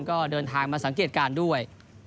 ก็เดินทางมาสังเกตการณ์ด้วย